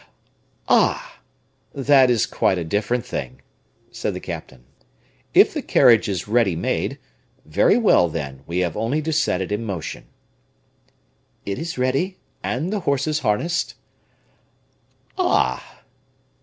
"Ah! that is quite a different thing," said the captain; "if the carriage is ready made, very well, then, we have only to set it in motion." "It is ready and the horses harnessed." "Ah!"